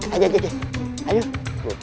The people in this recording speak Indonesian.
aduh aduh aduh